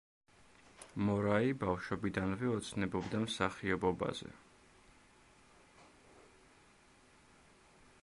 მორაი ბავშვობიდანვე ოცნებობდა მსახიობობაზე.